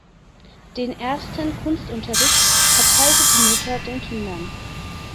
Den ersten Kunstunterricht erteilte die Mutter den Kindern.